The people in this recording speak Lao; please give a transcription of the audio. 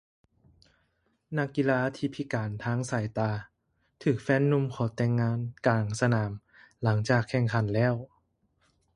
ນັກກິລາແລ່ນ ທີ່ພິການທາງສາຍຕາ ຖືກແຟນໜຸ່ມຂໍແຕ່ງງານກາງສະໜາມ ຫຼັງຈາກແຂ່ງຂັນແລ້ວ